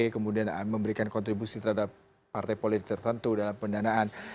kemudian memberikan kontribusi terhadap partai politik tertentu dalam pendanaan